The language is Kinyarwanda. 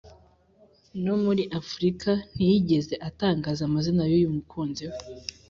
no muri afurika ntiyigeze atangaza amazina y’uyu mukunzi we,